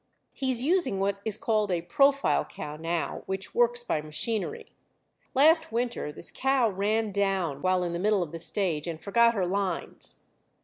He is using what is called a profile cow now, which works by machinery. Last winter this cow ran down while in the middle of the stage, and forgot her lines.